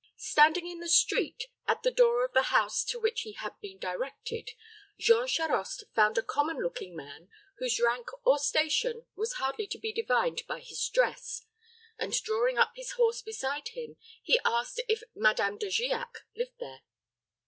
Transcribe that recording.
Standing in the street, at the door of the house to which he had been directed, Jean Charost found a common looking man, whose rank or station was hardly to be divined by his dress; and drawing up his horse beside him, he asked if Madame De Giac lived there.